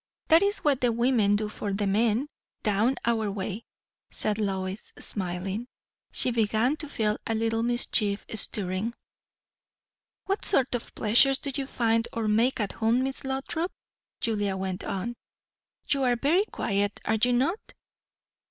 "That is what the women do for the men, down our way," said Lois, smiling. She began to feel a little mischief stirring. "What sort of pleasures do you find, or make, at home, Miss Lothrop?" Julia went on. "You are very quiet, are you not?"